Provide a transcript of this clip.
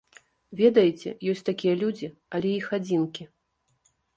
Ведаеце, ёсць такія людзі, але іх адзінкі.